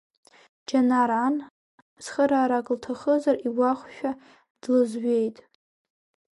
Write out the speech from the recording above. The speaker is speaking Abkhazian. Џьанар ан, цхыраарак лҭахызар игәахәшәа, длызҩеит.